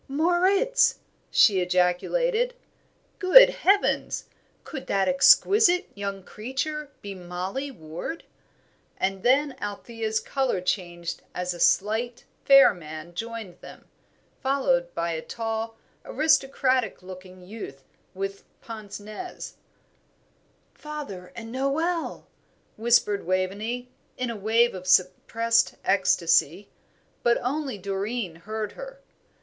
"Moritz!" she ejaculated. "Good heavens, could that exquisite young creature be Mollie Ward!" and then Althea's colour changed as a slight, fair man joined them, followed by a tall, aristocratic looking youth with pince nez. "Father and Noel," whispered Waveney, in a voice of suppressed ecstasy; but only Doreen heard her.